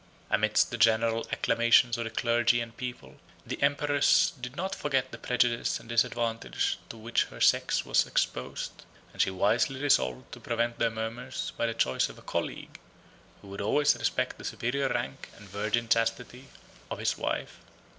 51 Amidst the general acclamations of the clergy and people, the empress did not forget the prejudice and disadvantage to which her sex was exposed; and she wisely resolved to prevent their murmurs by the choice of a colleague, who would always respect the superior rank and virgin chastity of his wife.